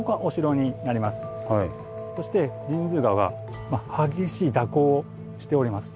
そして神通川が激しい蛇行をしております。